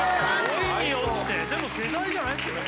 「恋におちて」でも世代じゃないですよね